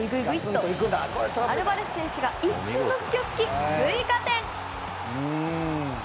アルバレス選手が一瞬の隙を突き、追加点。